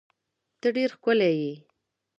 ته ډیر ښکلی یی